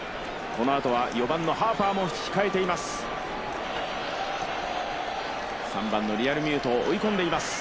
このあとは４番のハーパーも控えています。